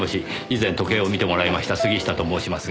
以前時計を見てもらいました杉下と申しますが。